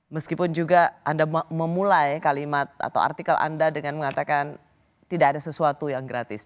meskipun juga anda memulai kalimat atau artikel anda dengan mengatakan tidak ada sesuatu yang gratis